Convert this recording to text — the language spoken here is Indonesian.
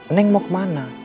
neng mau kemana